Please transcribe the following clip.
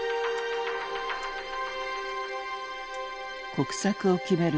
国策を決める